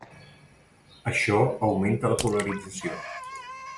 Això augmenta la polarització.